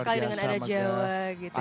kental sekali dengan adat jawa gitu ya